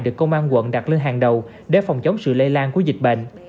được công an quận đặt lên hàng đầu để phòng chống sự lây lan của dịch bệnh